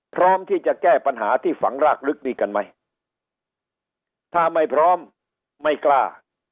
พร้อมที่จะแก้ปัญหาที่ฝังรากลึกนี้กันไหมถ้าไม่พร้อมไม่กล้า